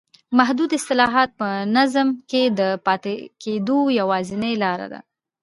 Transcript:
محدود اصلاحات په نظام کې د پاتې کېدو یوازینۍ لار ده.